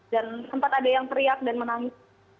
dan sempat ada yang teriak dan menangis